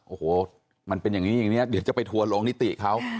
โอ้โหมันเป็นอย่างนี้อย่างนี้เดี๋ยวจะไปทัวร์ลงนิติเขา